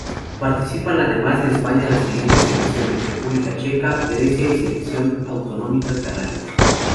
Participan además de España las siguientes selecciones: República Checa, Grecia y Selección autonómica Canaria.